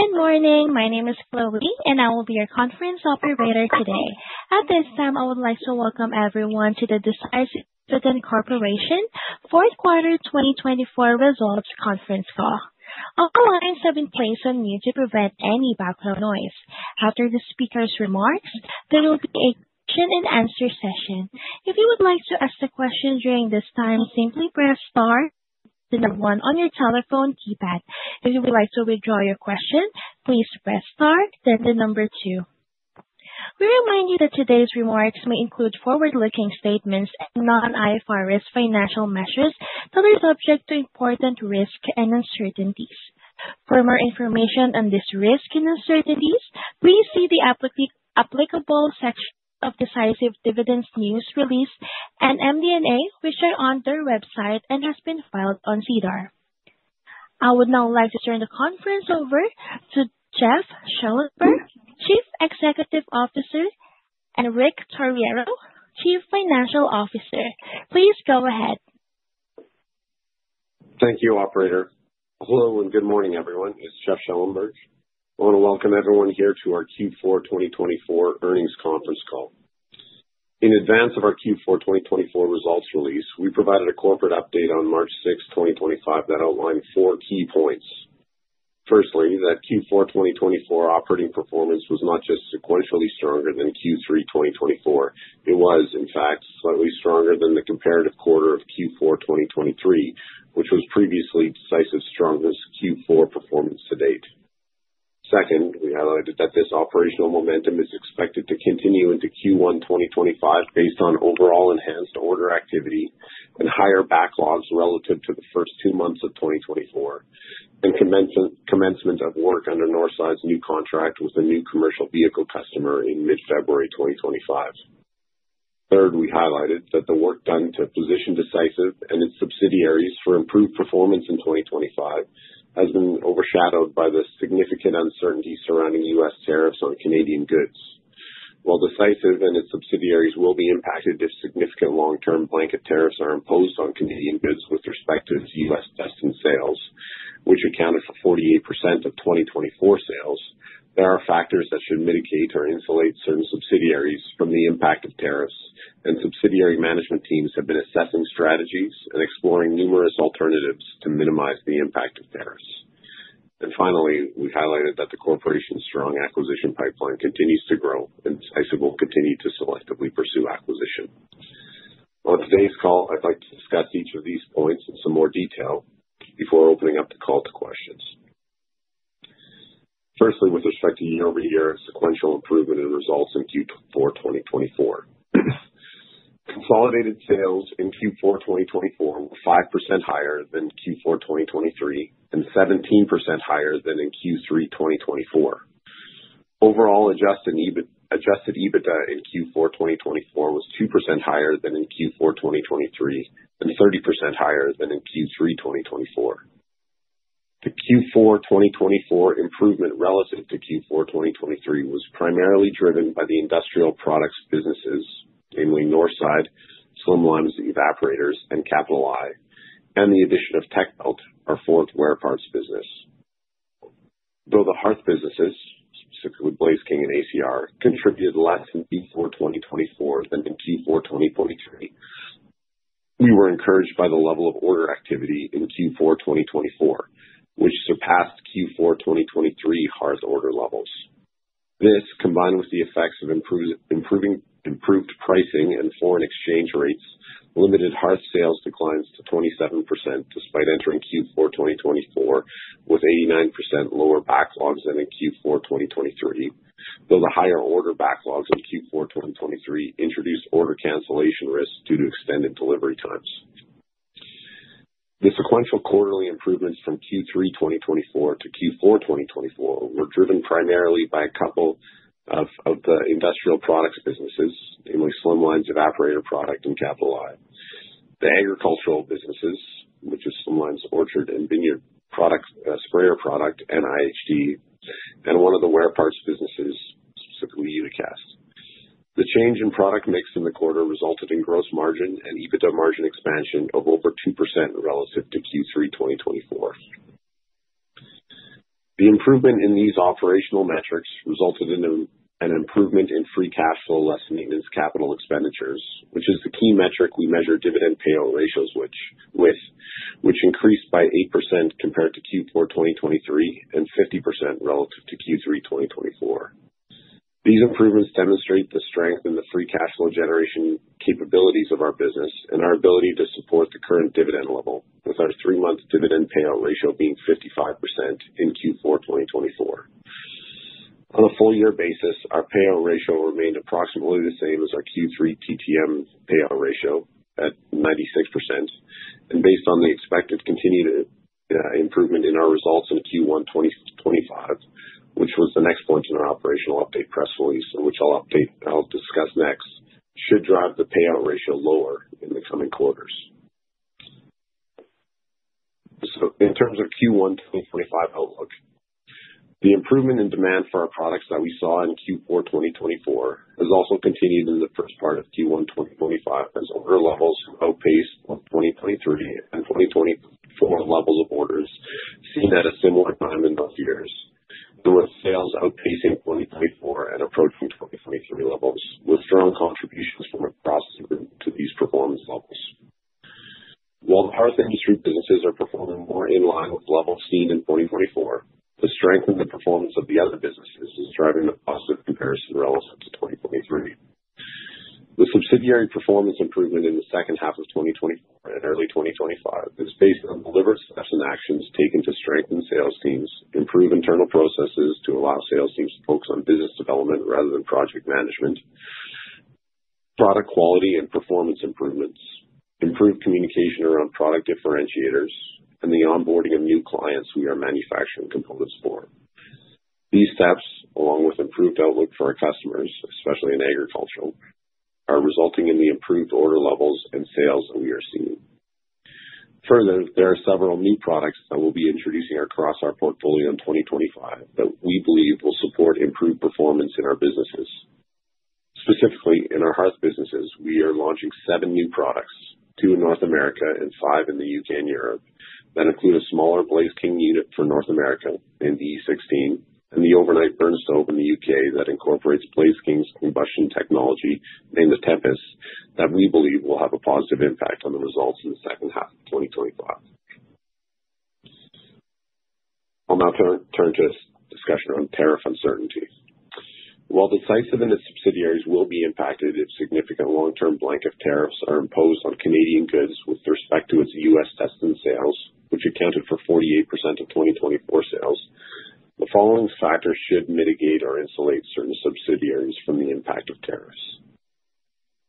Good morning. My name is Chloe, and I will be your conference operator today. At this time, I would like to welcome everyone to the Decisive Dividend Corporation Fourth Quarter 2024 Results Conference Call. All lines have been placed on mute to prevent any background noise. After the speaker's remarks, there will be a question-and-answer session. If you would like to ask a question during this time, simply press star, then the number one on your telephone keypad. If you would like to withdraw your question, please press star, then the number two. We remind you that today's remarks may include forward-looking statements and non-IFRS financial measures that are subject to important risk and uncertainties. For more information on these risks and uncertainties, please see the applicable section of Decisive Dividend Corporation's news release and MD&A, which are on their website and have been filed on SEDAR. I would now like to turn the conference over to Jeff Schellenberg, Chief Executive Officer, and Rick Torriero, Chief Financial Officer. Please go ahead. Thank you, Operator. Hello and good morning, everyone. It's Jeff Schellenberg. I want to welcome everyone here to our Q4 2024 earnings conference call. In advance of our Q4 2024 results release, we provided a corporate update on March 6, 2025, that outlined four key points. Firstly, that Q4 2024 operating performance was not just sequentially stronger than Q3 2024. It was, in fact, slightly stronger than the comparative quarter of Q4 2023, which was previously Decisive's strongest Q4 performance to date. Second, we highlighted that this operational momentum is expected to continue into Q1 2025 based on overall enhanced order activity and higher backlogs relative to the first two months of 2024, and commencement of work under Northside's new contract with a new commercial vehicle customer in mid-February 2025. Third, we highlighted that the work done to position Decisive and its subsidiaries for improved performance in 2025 has been overshadowed by the significant uncertainty surrounding U.S. tariffs on Canadian goods. While Decisive and its subsidiaries will be impacted if significant long-term blanket tariffs are imposed on Canadian goods with respect to its U.S.-destined sales, which accounted for 48% of 2024 sales, there are factors that should mitigate or insulate certain subsidiaries from the impact of tariffs, and subsidiary management teams have been assessing strategies and exploring numerous alternatives to minimize the impact of tariffs. Finally, we highlighted that the corporation's strong acquisition pipeline continues to grow, and Decisive will continue to selectively pursue acquisition. On today's call, I'd like to discuss each of these points in some more detail before opening up the call to questions. Firstly, with respect to year-over-year sequential improvement in results in Q4 2024, consolidated sales in Q4 2024 were 5% higher than Q4 2023 and 17% higher than in Q3 2024. Overall adjusted EBITDA in Q4 2024 was 2% higher than in Q4 2023 and 30% higher than in Q3 2024. The Q4 2024 improvement relative to Q4 2023 was primarily driven by the industrial products businesses, namely Northside, Slimline Evaporators, and Capital I, and the addition of Techbelt, our wear parts business. Though the hearth businesses, specifically Blaze King and ACR, contributed less in Q4 2024 than in Q4 2023, we were encouraged by the level of order activity in Q4 2024, which surpassed Q4 2023 hearth order levels. This, combined with the effects of improved pricing and foreign exchange rates, limited hearth sales declines to 27% despite entering Q4 2024 with 89% lower backlogs than in Q4 2023, though the higher order backlogs in Q4 2023 introduced order cancellation risks due to extended delivery times. The sequential quarterly improvements from Q3 2024 to Q4 2024 were driven primarily by a couple of the industrial products businesses, namely Slimline Evaporator product and Capital I, the agricultural businesses, which is Slimline orchard and vineyard sprayer product and IHT, and one of the wear parts businesses, specifically Unicast. The change in product mix in the quarter resulted in gross margin and EBITDA margin expansion of over 2% relative to Q3 2024. The improvement in these operational metrics resulted in an improvement in free cash flow less maintenance capital expenditures, which is the key metric we measure dividend payout ratios with, which increased by 8% compared to Q4 2023 and 50% relative to Q3 2024. These improvements demonstrate the strength in the free cash flow generation capabilities of our business and our ability to support the current dividend level, with our three-month dividend payout ratio being 55% in Q4 2024. On a full-year basis, our payout ratio remained approximately the same as our Q3 TTM payout ratio at 96%, and based on the expected continued improvement in our results in Q1 2025, which was the next point in our operational update press release, which I'll discuss next, should drive the payout ratio lower in the coming quarters. In terms of Q1 2025 outlook, the improvement in demand for our products that we saw in Q4 2024 has also continued in the first part of Q1 2025 as order levels outpaced 2023 and 2024 levels of orders seen at a similar time in both years, though with sales outpacing 2024 and approaching 2023 levels with strong contributions from across the group to these performance levels. While the hearth industry businesses are performing more in line with levels seen in 2024, the strength in the performance of the other businesses is driving a positive comparison relative to 2023. The subsidiary performance improvement in the second half of 2024 and early 2025 is based on deliberate steps and actions taken to strengthen sales teams, improve internal processes to allow sales teams to focus on business development rather than project management, product quality and performance improvements, improved communication around product differentiators, and the onboarding of new clients we are manufacturing components for. These steps, along with improved outlook for our customers, especially in agriculture, are resulting in the improved order levels and sales that we are seeing. Further, there are several new products that we'll be introducing across our portfolio in 2025 that we believe will support improved performance in our businesses. Specifically, in our hearth businesses, we are launching seven new products, two in North America and five in the U.K. and Europe, that include a smaller Blaze King unit for North America in B16 and the overnight burn stove in the U.K. that incorporates Blaze King's combustion technology named the Tempus, that we believe will have a positive impact on the results in the second half of 2025. I'll now turn to discussion around tariff uncertainty. While Decisive and its subsidiaries will be impacted if significant long-term blanket tariffs are imposed on Canadian goods with respect to its U.S.-destined sales, which accounted for 48% of 2024 sales, the following factors should mitigate or insulate certain subsidiaries from the impact of tariffs.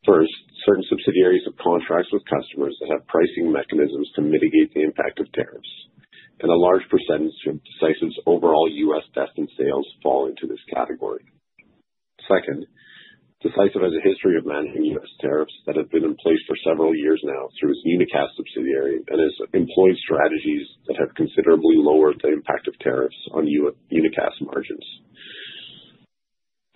First, certain subsidiaries have contracts with customers that have pricing mechanisms to mitigate the impact of tariffs, and a large percentage of Decisive's overall U.S. Testing sales fall into this category. Second, Decisive has a history of managing U.S. tariffs that have been in place for several years now through its Unicast subsidiary and has employed strategies that have considerably lowered the impact of tariffs on Unicast margins.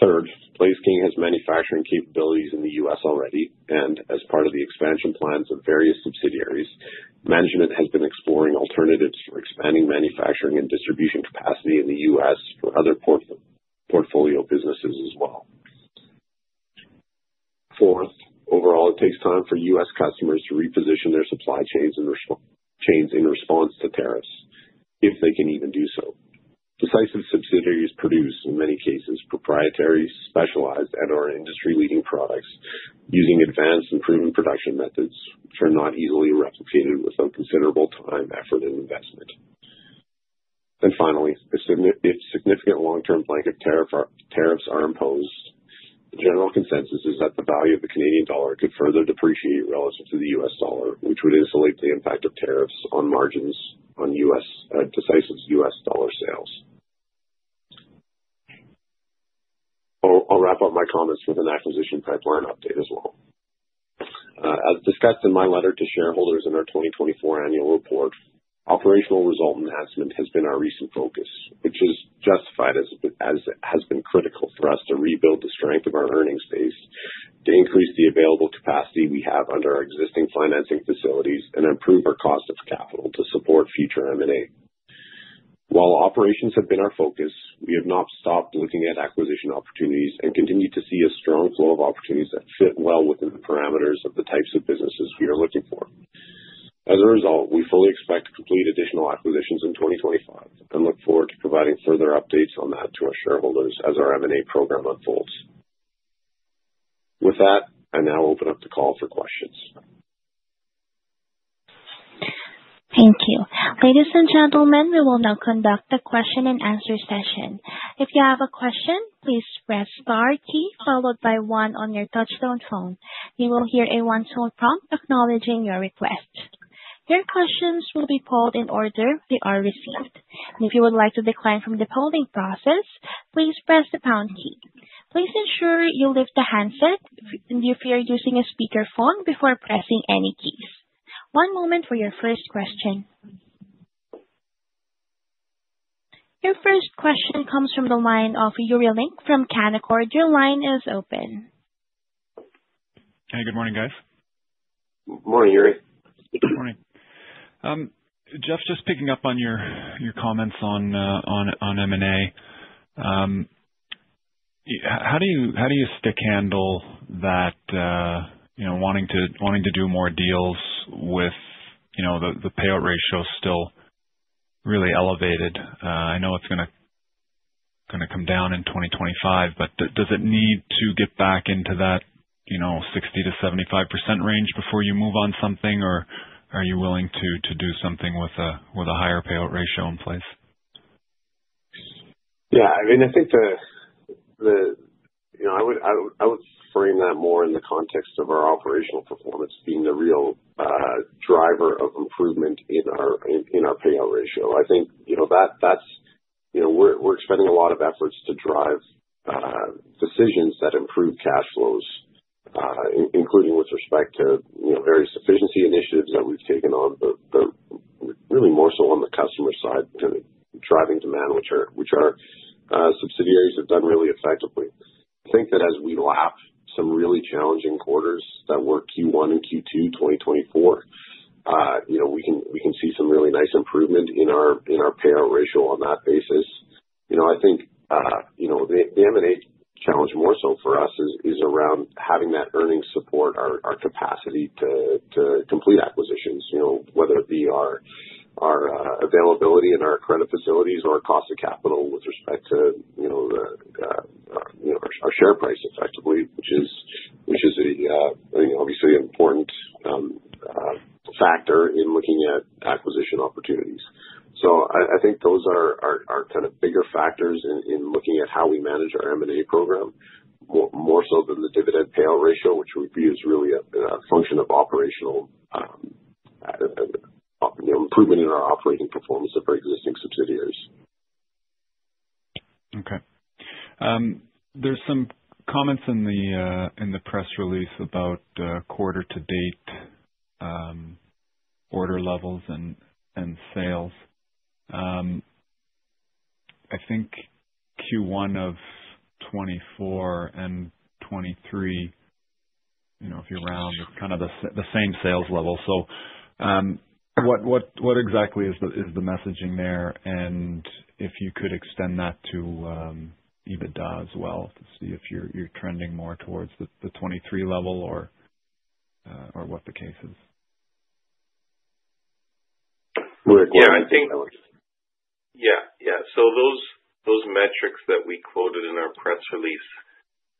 Third, Blaze King has manufacturing capabilities in the U.S. already, and as part of the expansion plans of various subsidiaries, management has been exploring alternatives for expanding manufacturing and distribution capacity in the U.S. for other portfolio businesses as well. Fourth, overall, it takes time for U.S. customers to reposition their supply chains in response to tariffs, if they can even do so. Decisive subsidiaries produce, in many cases, proprietary, specialized, and/or industry-leading products using advanced, improved production methods which are not easily replicated with considerable time, effort, and investment. Finally, if significant long-term blanket tariffs are imposed, the general consensus is that the value of the Canadian dollar could further depreciate relative to the U.S. dollar, which would insulate the impact of tariffs on margins on Decisive's US dollar sales. I'll wrap up my comments with an acquisition pipeline update as well. As discussed in my letter to shareholders in our 2024 annual report, operational result enhancement has been our recent focus, which is justified as it has been critical for us to rebuild the strength of our earnings base, to increase the available capacity we have under our existing financing facilities, and improve our cost of capital to support future M&A. While operations have been our focus, we have not stopped looking at acquisition opportunities and continue to see a strong flow of opportunities that fit well within the parameters of the types of businesses we are looking for. As a result, we fully expect to complete additional acquisitions in 2025 and look forward to providing further updates on that to our shareholders as our M&A program unfolds. With that, I now open up the call for questions. Thank you. Ladies and gentlemen, we will now conduct the question-and-answer session. If you have a question, please press the star key followed by one on your touch-tone phone. You will hear a one-tone prompt acknowledging your request. Your questions will be polled in the order they are received. If you would like to decline from the polling process, please press the pound key. Please ensure you lift the handset if you are using a speakerphone before pressing any keys. One moment for your first question. Your first question comes from the line of Yuri Lynk from Canaccord. Your line is open. Hey, good morning, guys. Morning, Yuri. Good morning. Jeff, just picking up on your comments on M&A, how do you stickhandle that wanting to do more deals with the payout ratio still really elevated? I know it's going to come down in 2025, but does it need to get back into that 60%-75% range before you move on something, or are you willing to do something with a higher payout ratio in place? Yeah. I mean, I think I would frame that more in the context of our operational performance being the real driver of improvement in our payout ratio. I think that that's we're expending a lot of efforts to drive decisions that improve cash flows, including with respect to various efficiency initiatives that we've taken on, but really more so on the customer side kind of driving demand, which our subsidiaries have done really effectively. I think that as we lap some really challenging quarters that were Q1 and Q2 2024, we can see some really nice improvement in our payout ratio on that basis. I think the M&A challenge more so for us is around having that earnings support our capacity to complete acquisitions, whether it be our availability in our credit facilities or cost of capital with respect to our share price effectively, which is obviously an important factor in looking at acquisition opportunities. I think those are kind of bigger factors in looking at how we manage our M&A program, more so than the dividend payout ratio, which would be really a function of operational improvement in our operating performance of our existing subsidiaries. Okay. There are some comments in the press release about quarter-to-date order levels and sales. I think Q1 of 2024 and 2023, if you are around, it is kind of the same sales level. What exactly is the messaging there? If you could extend that to EBITDA as well to see if you are trending more towards the 2023 level or what the case is. Yeah. I think. Yeah. Yeah. Yeah. Those metrics that we quoted in our press release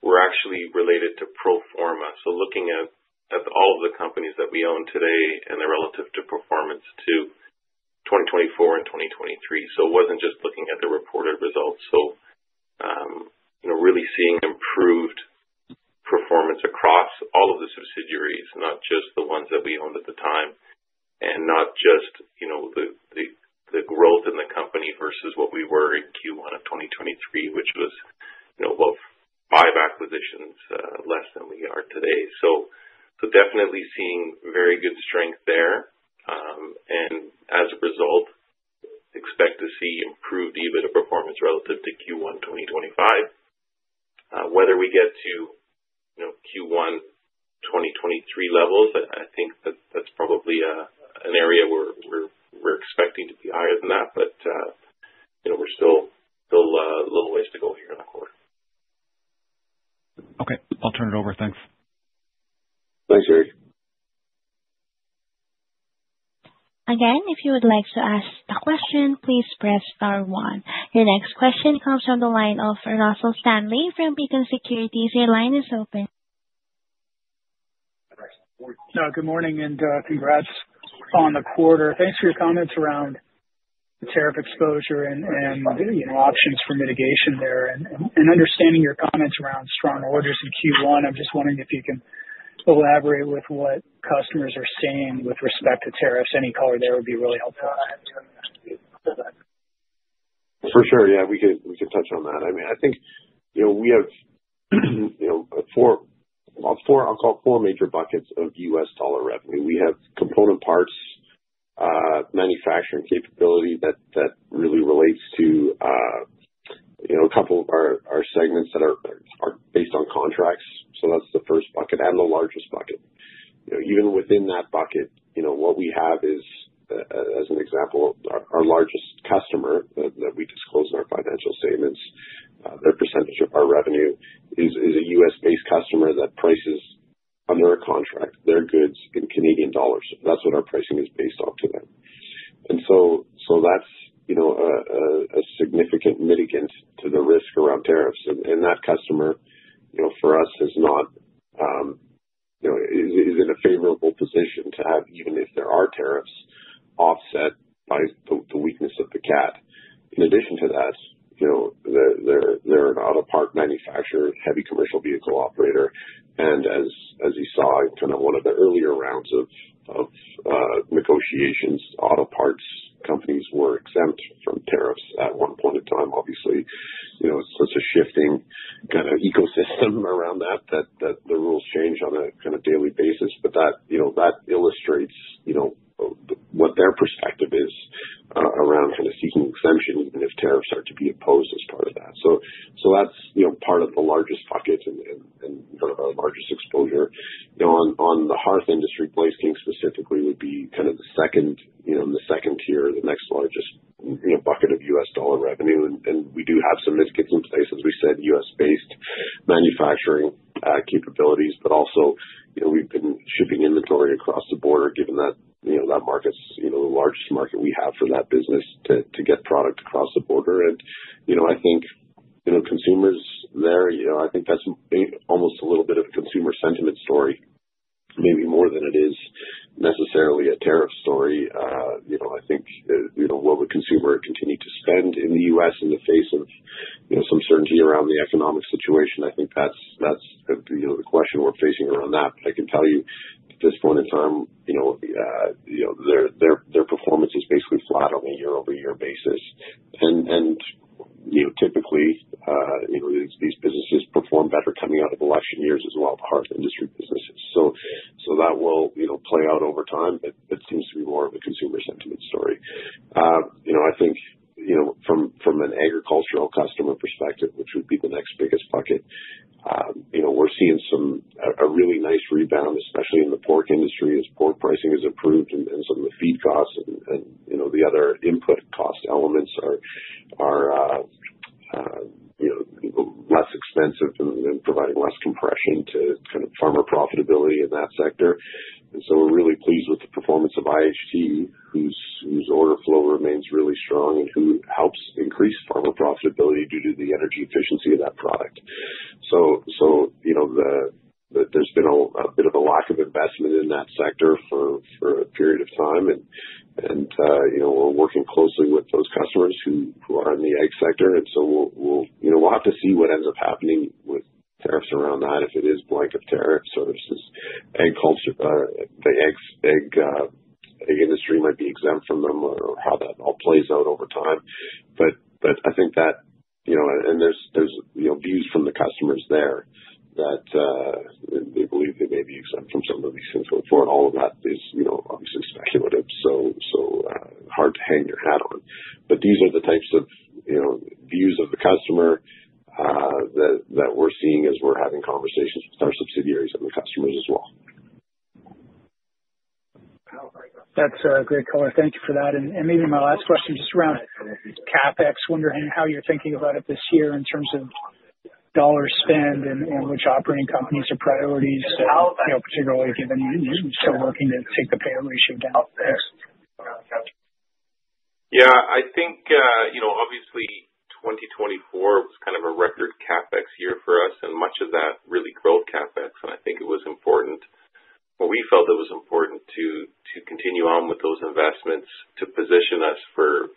were actually related to pro forma. Looking at all of the companies that we own today and their relative performance to 2024 and 2023. It was not just looking at the reported results. Really seeing improved performance across all of the subsidiaries, not just the ones that we owned at the time, and not just the growth in the company versus what we were in Q1 of 2023, which was about five acquisitions less than we are today. Definitely seeing very good strength there. As a result, expect to see improved EBITDA performance relative to Q1 2025. Whether we get to Q1 2023 levels, I think that is probably an area where we are expecting to be higher than that, but we are still a little ways to go here in the quarter. Okay. I'll turn it over. Thanks. Thanks, Yuri. Again, if you would like to ask a question, please press star one. Your next question comes from the line of Russell Stanley from Beacon Securities. Your line is open. Hello. Good morning and congrats on the quarter. Thanks for your comments around the tariff exposure and options for mitigation there. Understanding your comments around strong orders in Q1, I'm just wondering if you can elaborate with what customers are saying with respect to tariffs. Any color there would be really helpful. For sure. Yeah. We could touch on that. I mean, I think we have four, I'll call it four major buckets of US dollar revenue. We have component parts, manufacturing capability that really relates to a couple of our segments that are based on contracts. That is the first bucket and the largest bucket. Even within that bucket, what we have is, as an example, our largest customer that we disclose in our financial statements, their percentage of our revenue is a U.S.-based customer that prices under a contract their goods in CAD. That is what our pricing is based off to them. That is a significant mitigant to the risk around tariffs. That customer, for us, is not in a favorable position to have, even if there are tariffs, offset by the weakness of the CAD. In addition to that, they're an auto part manufacturer, heavy commercial vehicle operator. As you saw in kind of one of the earlier rounds of negotiations, auto parts companies were exempt from tariffs at one point in time, obviously. It's such a shifting kind of ecosystem around that that the rules change on a kind of daily basis. That illustrates what their perspective is around kind of seeking exemption, even if tariffs are to be imposed as part of that. That's part of the largest bucket and kind of our largest exposure. On the hearth industry, Blaze King specifically would be kind of the second tier, the next largest bucket of US dollar revenue. We do have some mitigants in place, as we said, U.S.-based manufacturing capabilities, but also we've been shipping inventory across the border, given that that market's the largest market we have for that business to get product across the border. I think consumers there, I think that's almost a little bit of a consumer sentiment story, maybe more than it is necessarily a tariff story. I think will the consumer continue to spend in the U.S. in the face of some certainty around the economic situation? I think that's the question we're facing around that. I can tell you at this point in time, their performance is basically flat on a year-over-year basis. Typically, these businesses perform better coming out of election years as well, the hearth industry businesses. That will play out over time, but it seems to be more of a consumer sentiment story. I think from an agricultural customer perspective, which would be the next biggest bucket, we're seeing a really nice rebound, especially in the pork industry as pork pricing has improved and some of the feed costs and the other input cost elements are less expensive and providing less compression to kind of farmer profitability in that sector. We're really pleased with the performance of IHT, whose order flow remains really strong and who helps increase farmer profitability due to the energy efficiency of that product. There's been a bit of a lack of investment in that sector for a period of time. We're working closely with those customers who are in the ag sector. We'll have to see what ends up happening with tariffs around that. If it is blanket tariffs, the ag industry might be exempt from them or how that all plays out over time. I think that, and there are views from the customers there that they believe they may be exempt from some of these things going forward. All of that is obviously speculative, so hard to hang your hat on. These are the types of views of the customer that we're seeing as we're having conversations with our subsidiaries and the customers as well. That's a great color. Thank you for that. Maybe my last question just around CapEx, wondering how you're thinking about it this year in terms of dollar spend and which operating companies are priorities, particularly given you're still working to take the payout ratio down. Yeah. I think obviously 2024 was kind of a record CapEx year for us, and much of that really growth CapEx. I think it was important, or we felt it was important to continue on with those investments to position us for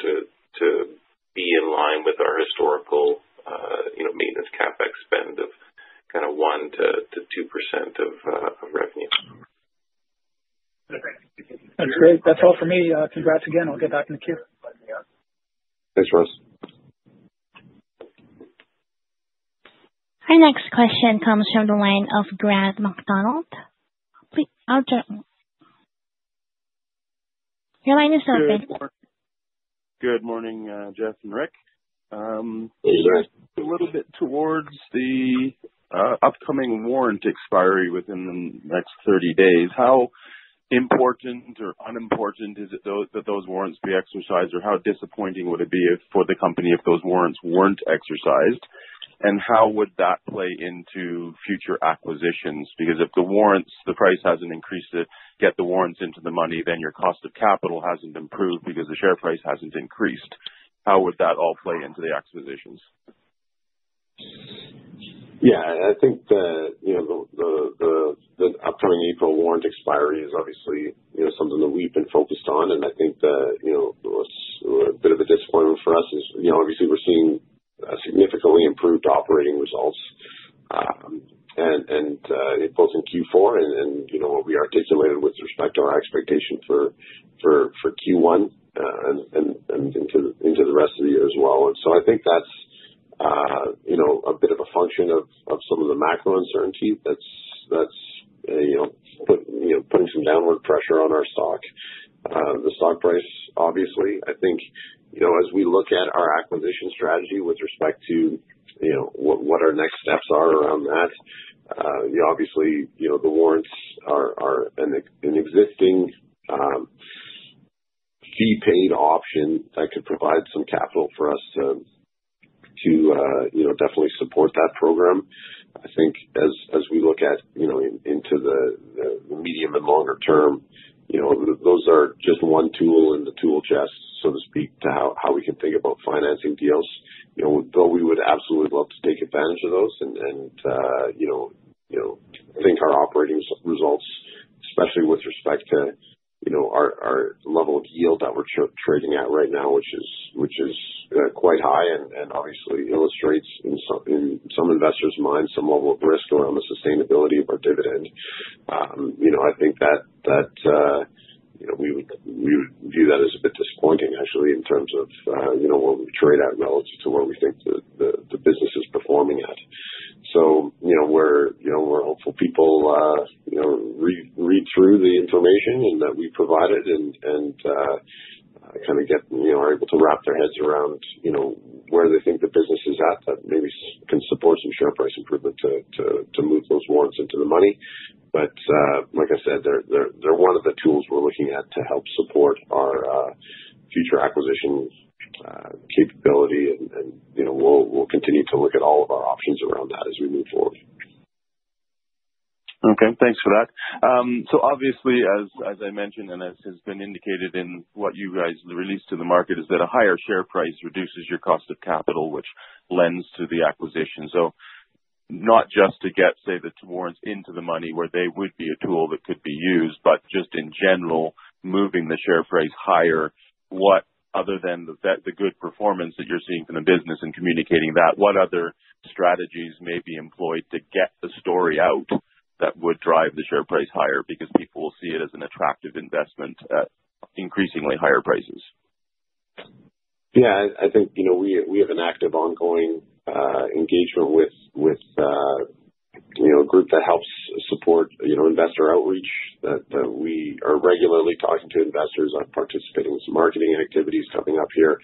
the fourth quarter that we had and to start to Q1 2025 that we're having. Those investments were in some of our most active businesses and are paying off as of now. In terms of maintenance CapEx, we did pull back on that last year with the decrease in activity. We kind of expect this year to be in line with our historical maintenance CapEx spend of kind of 1%-2% of revenue. That's great. That's all for me. Congrats again. I'll get back in the queue. Thanks, Russell. Our next question comes from the line of Grant McDonald. Your line is open. Good morning, Jeff and Rick. Hey, you guys. A little bit towards the upcoming warrant expiry within the next 30 days. How important or unimportant is it that those warrants be exercised, or how disappointing would it be for the company if those warrants were not exercised? How would that play into future acquisitions? Because if the warrants, the price has not increased to get the warrants into the money, then your cost of capital has not improved because the share price has not increased. How would that all play into the acquisitions? Yeah. I think the upcoming April warrant expiry is obviously something that we've been focused on. I think a bit of a disappointment for us is obviously we're seeing significantly improved operating results both in Q4 and what we articulated with respect to our expectation for Q1 and into the rest of the year as well. I think that's a bit of a function of some of the macro uncertainty that's putting some downward pressure on our stock. The stock price, obviously. I think as we look at our acquisition strategy with respect to what our next steps are around that, obviously the warrants are an existing fee-paid option that could provide some capital for us to definitely support that program. I think as we look into the medium and longer term, those are just one tool in the tool chest, so to speak, to how we can think about financing deals. We would absolutely love to take advantage of those and think our operating results, especially with respect to our level of yield that we're trading at right now, which is quite high and obviously illustrates in some investors' minds some level of risk around the sustainability of our dividend. I think that we would view that as a bit disappointing, actually, in terms of where we trade at relative to where we think the business is performing at. We're hopeful people read through the information that we provided and kind of are able to wrap their heads around where they think the business is at that maybe can support some share price improvement to move those warrants into the money. Like I said, they're one of the tools we're looking at to help support our future acquisition capability. We'll continue to look at all of our options around that as we move forward. Okay. Thanks for that. As I mentioned and as has been indicated in what you guys released to the market, a higher share price reduces your cost of capital, which lends to the acquisition. Not just to get, say, the warrants into the money where they would be a tool that could be used, but just in general, moving the share price higher. Other than the good performance that you're seeing from the business and communicating that, what other strategies may be employed to get the story out that would drive the share price higher because people will see it as an attractive investment at increasingly higher prices? Yeah. I think we have an active ongoing engagement with a group that helps support investor outreach. We are regularly talking to investors. I'm participating in some marketing activities coming up here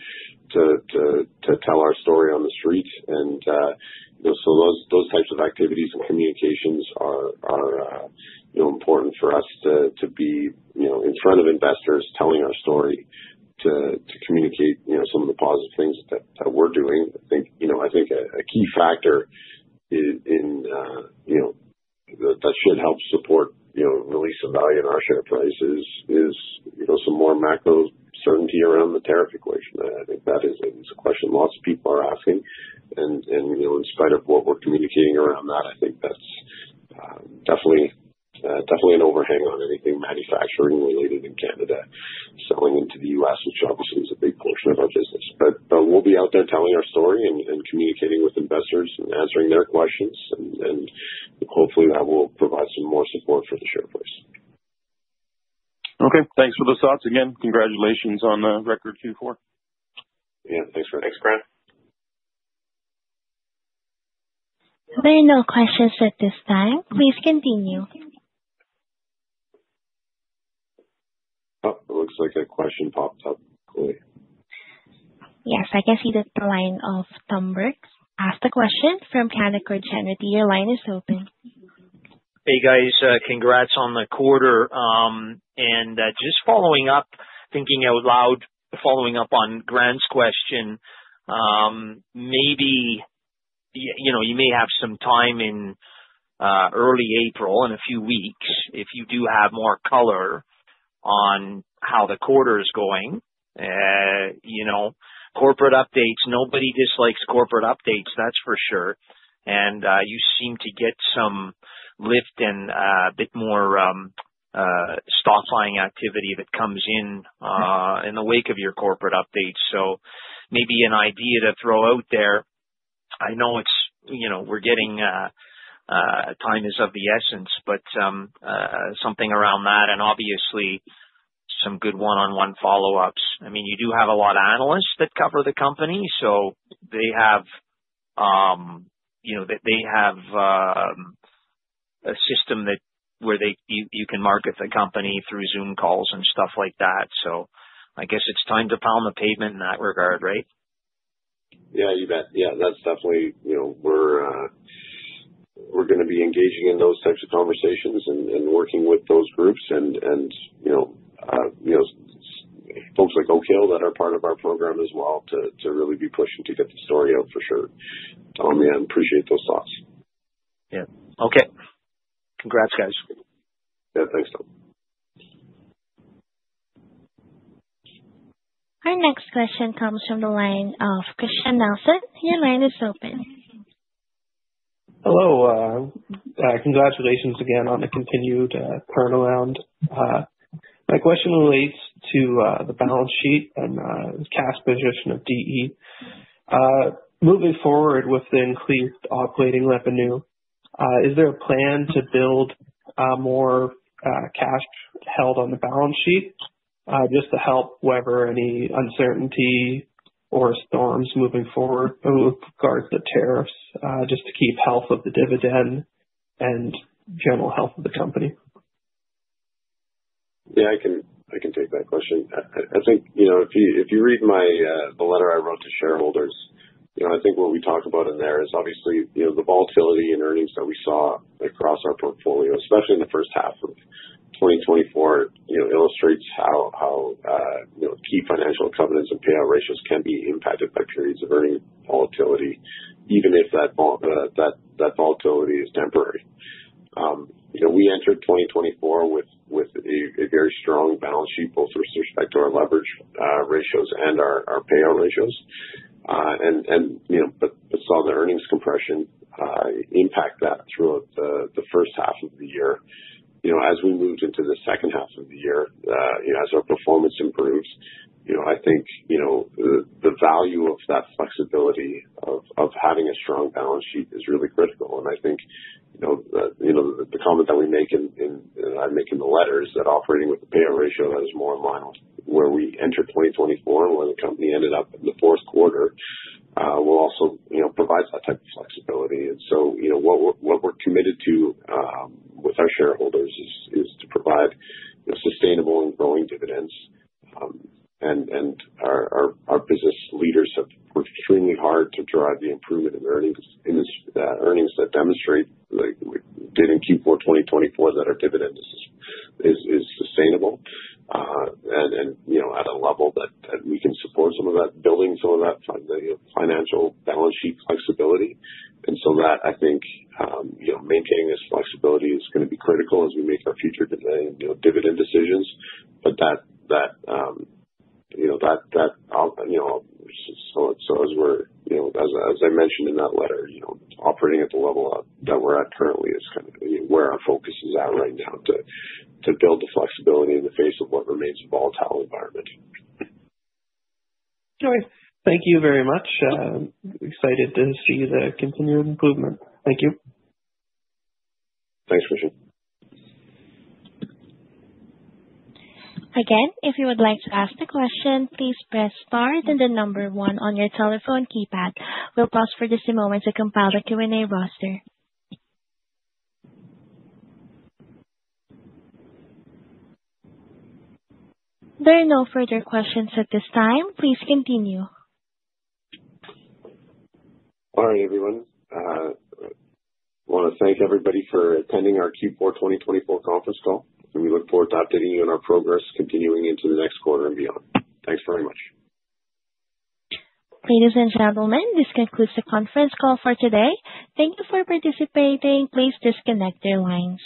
to tell our story on the streets. Those types of activities and communications are important for us to be in front of investors telling our story to communicate some of the positive things that we're doing. I think a key factor that should help support the release of value in our share price is some more macro certainty around the tariff equation. I think that is a question lots of people are asking. In spite of what we're communicating around that, I think that's definitely an overhang on anything manufacturing related in Canada selling into the U.S., which obviously is a big portion of our business. We will be out there telling our story and communicating with investors and answering their questions. Hopefully, that will provide some more support for the share price. Okay. Thanks for the thoughts again. Congratulations on the record Q4. Yeah. Thanks for that. Thanks, Grant. There are no questions at this time. Please continue. Oh, it looks like a question popped up. Yes. I can see that the line of Tom Burke asked a question from Canaccord Genuity. Your line is open. Hey, guys. Congrats on the quarter. Just following up, thinking out loud, following up on Grant's question, maybe you may have some time in early April, in a few weeks, if you do have more color on how the quarter is going. Corporate updates. Nobody dislikes corporate updates, that's for sure. You seem to get some lift and a bit more stock-buying activity that comes in in the wake of your corporate updates. Maybe an idea to throw out there, I know time is of the essence, but something around that and obviously some good one-on-one follow-ups. I mean, you do have a lot of analysts that cover the company. They have a system where you can market the company through Zoom calls and stuff like that. I guess it's time to pound the pavement in that regard, right? Yeah, you bet. Yeah. That's definitely where we're going to be engaging in those types of conversations and working with those groups and folks like Oak Hill that are part of our program as well to really be pushing to get the story out for sure. Tom, yeah, I appreciate those thoughts. Yeah. Okay. Congrats, guys. Yeah. Thanks, Tom. Our next question comes from the line of Christian Nelson. Your line is open. Hello. Congratulations again on the continued turnaround. My question relates to the balance sheet and cash position of DE. Moving forward with the increased operating revenue, is there a plan to build more cash held on the balance sheet just to help weather any uncertainty or storms moving forward with regards to tariffs just to keep health of the dividend and general health of the company? Yeah. I can take that question. I think if you read the letter I wrote to shareholders, I think what we talk about in there is obviously the volatility in earnings that we saw across our portfolio, especially in the first half of 2024, illustrates how key financial covenants and payout ratios can be impacted by periods of earning volatility, even if that volatility is temporary. We entered 2024 with a very strong balance sheet both with respect to our leverage ratios and our payout ratios. We saw the earnings compression impact that throughout the first half of the year. As we moved into the second half of the year, as our performance improves, I think the value of that flexibility of having a strong balance sheet is really critical. I think the comment that we make in the letter is that operating with a payout ratio that is more in line with where we entered 2024, where the company ended up in the fourth quarter, will also provide that type of flexibility. What we're committed to with our shareholders is to provide sustainable and growing dividends. Our business leaders have worked extremely hard to drive the improvement in earnings that demonstrate that we did in Q4 2024 that our dividend is sustainable and at a level that we can support some of that, building some of that financial balance sheet flexibility. I think maintaining this flexibility is going to be critical as we make our future dividend decisions. As I mentioned in that letter, operating at the level that we're at currently is kind of where our focus is at right now to build the flexibility in the face of what remains a volatile environment. Okay. Thank you very much. Excited to see the continued improvement. Thank you. Thanks, Christian. Again, if you would like to ask a question, please press star and then the number one on your telephone keypad. We'll pause for just a moment to compile the Q&A roster. There are no further questions at this time. Please continue. All right, everyone. I want to thank everybody for attending our Q4 2024 conference call. We look forward to updating you on our progress continuing into the next quarter and beyond. Thanks very much. Ladies and gentlemen, this concludes the conference call for today. Thank you for participating. Please disconnect your lines.